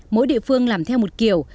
mỗi địa phương làm theo một kiểu